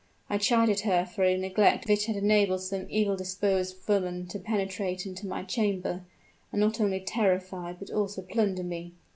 I chided her for a neglect which had enabled some evil disposed woman to penetrate into my chamber, and not only terrify but also plunder me.